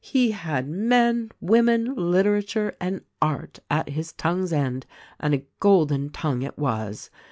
He had men, women, literature and art at his tongue's end; and a golden tongue it was.